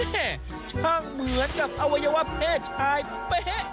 ช่างเหมือนกับอวัยวะเพศชายเป๊ะ